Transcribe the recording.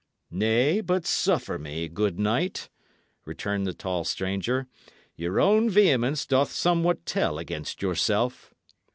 "Nay, but suffer me, good knight," returned the tall stranger; "your own vehemence doth somewhat tell against yourself."